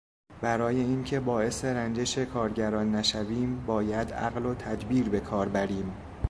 برای اینکه باعث رنجش کارگران نشویم باید عقل و تدبیر به کار بریم.